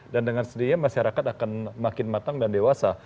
dan dengan sendirinya masyarakat akan makin matang dan dewasa